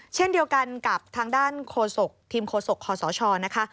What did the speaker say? เช่นเดียวกันกับทางด้านโฆษกทีมโฆษกคศนะคะ